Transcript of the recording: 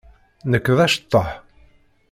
Nekk d aceṭṭaḥ.